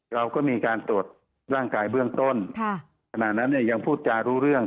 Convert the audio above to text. เราก็มีการตรวจร่างกายเบื้องต้นค่ะขณะนั้นเนี่ยยังพูดจารู้เรื่อง